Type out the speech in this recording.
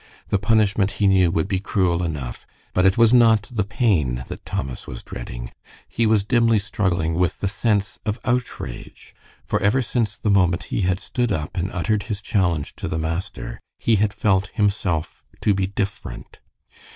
The punishment he knew would be cruel enough, but it was not the pain that Thomas was dreading; he was dimly struggling with the sense of outrage, for ever since the moment he had stood up and uttered his challenge to the master, he had felt himself to be different.